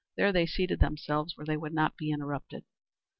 There they seated themselves where they would not be interrupted.